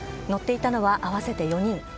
乗っていたのは合わせて４人。